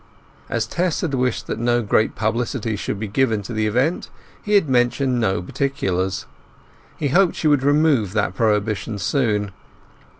As Tess had wished that no great publicity should be given to the event, he had mentioned no particulars. He hoped she would remove that prohibition soon.